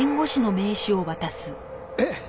えっ！